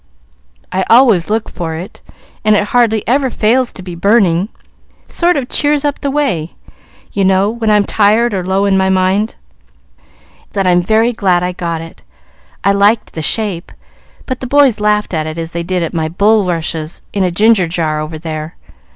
I always look for it, and it hardly ever fails to be burning. Sort of cheers up the way, you know, when I'm tired or low in my mind." "Then I'm very glad I got it. I liked the shape, but the boys laughed at it as they did at my bulrushes in a ginger jar over there.